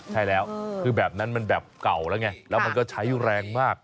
ใช่แล้วคือแบบนั้นมันแบบเก่าแล้วไงแล้วมันก็ใช้แรงมาก